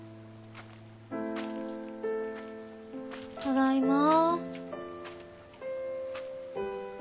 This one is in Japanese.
ただいま。